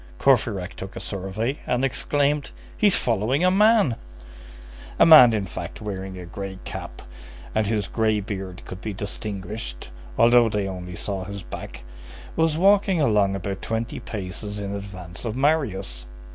Courfeyrac took a survey, and exclaimed:— "He's following a man!" A man, in fact, wearing a gray cap, and whose gray beard could be distinguished, although they only saw his back, was walking along about twenty paces in advance of Marius.